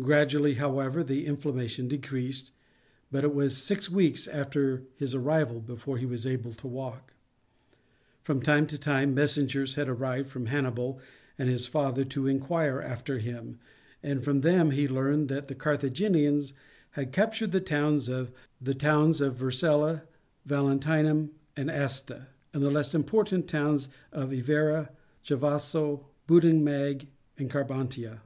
Gradually, however, the inflammation decreased, but it was six weeks after his arrival before he was able to walk. From time to time messengers had arrived from Hannibal and his father to inquire after him, and from them he learned that the Carthaginians had captured the towns of Vercella, Valentinum, and Asta, and the less important towns of Ivrea, Chivasso, Bodenkmag, and Carbantia.